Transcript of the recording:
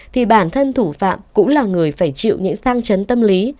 thì bản thân thủ phạm cũng là người phải chịu những sang chấn tâm lý